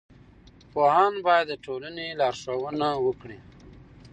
پوهان باید د ټولنې لارښوونه وکړي.